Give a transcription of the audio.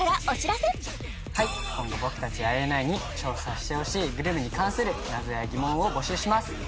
今後僕たちＩＮＩに挑戦してほしいグルメに関する謎や疑問を募集します